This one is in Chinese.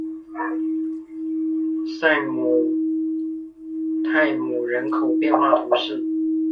塞普泰姆人口变化图示